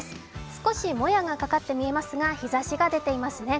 少しもやがかかって見えますが日ざしが出ています。